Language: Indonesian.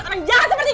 kalau kamu udah bilang